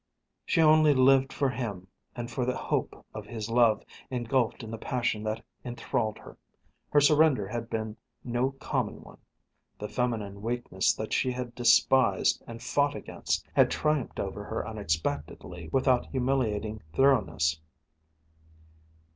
She only lived for him and for the hope of his love, engulfed in the passion that enthralled her. Her surrender had been no common one. The feminine weakness that she had despised and fought against had triumphed over her unexpectedly without humiliating thoroughness.